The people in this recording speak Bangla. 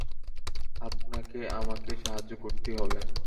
আপনাকে আমাকে সাহায্য করতেই হবে!